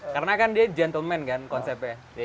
karena kan dia gentleman kan konsepnya